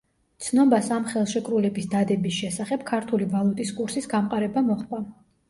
ცნობას ამ ხელშეკრულების დადების შესახებ ქართული ვალუტის კურსის გამყარება მოჰყვა.